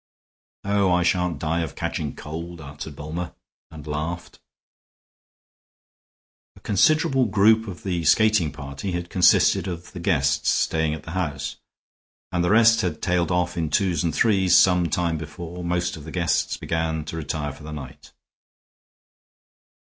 "Oh, I shan't die of catching a cold," answered Bulmer, and laughed. A considerable group of the skating party had consisted of the guests staying at the house, and the rest had tailed off in twos and threes some time before most of the guests began to retire for the night.